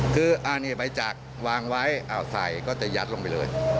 คืออันนี้ใบจักรวางไว้ใส่ก็จะยัดลงไปเลย